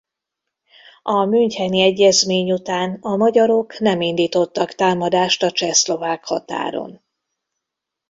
A müncheni egyezmény után a magyarok nem indítottak támadást a csehszlovák határon.